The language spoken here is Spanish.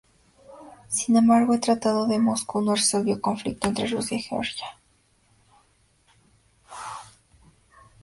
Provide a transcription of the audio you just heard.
Sin embargo, el Tratado de Moscú no resolvió el conflicto entre Rusia y Georgia.